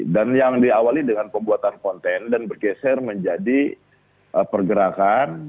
dan yang diawali dengan pembuatan konten dan bergeser menjadi pergerakan